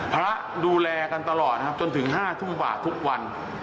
พระดูแลกันตลอดนะครับจนถึง๕ทุ่มกว่าทุกวัน